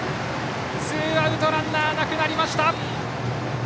ツーアウトランナーなくなりました！